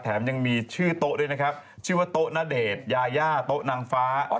ยังมีชื่อโต๊ะด้วยนะครับชื่อว่าโต๊ะณเดชน์ยาย่าโต๊ะนางฟ้า